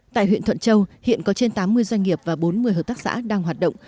tại huyện thuận châu hiện có trên tám mươi doanh nghiệp và bốn mươi hợp tác xã đang hoạt động